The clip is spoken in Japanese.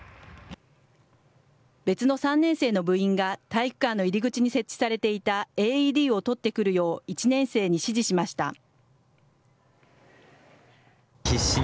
別の３年生の部員が体育館の入り口に設置されていたＡＥＤを取ってくるよう１年生に指示しました。